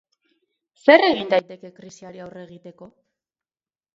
Zer egin daiteke krisiari aurre egiteko?